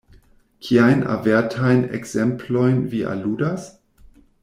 Kiajn avertajn ekzemplojn vi aludas?